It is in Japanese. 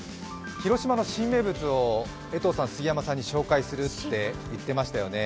広島の新名物を江藤さん、杉山さんに紹介するって言っていましたよね。